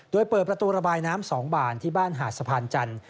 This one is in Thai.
โดยเปิดประตูระบายน้ำ๒บานที่บ้านหาดสะพานจันทร์